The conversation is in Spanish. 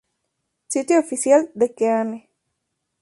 Sitio oficial de Keane